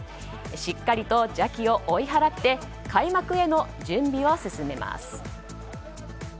しっかりと邪気を追い払って開幕への準備を進めます。